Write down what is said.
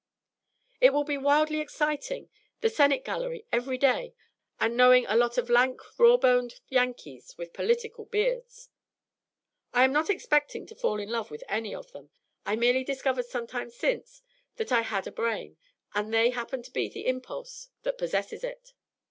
"It will be wildly exciting the Senate Gallery every day, and knowing a lot of lank raw boned Yankees with political beards." "I am not expecting to fall in love with any of them. I merely discovered some time since that I had a brain, and they happen to be the impulse that possesses it.